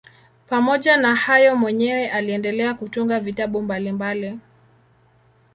Pamoja na hayo mwenyewe aliendelea kutunga vitabu mbalimbali.